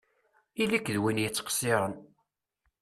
Ili-k d win yettqeṣṣiṛen!